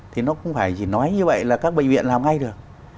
thì nó cũng phải chỉ nói như vậy là các bệnh viện làm ngay được